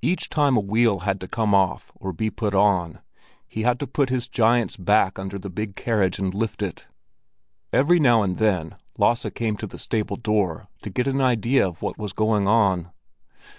Each time a wheel had to come off or be put on, he had to put his giant's back under the big carriage and lift it. Every now and then Lasse came to the stable door to get an idea of what was going on.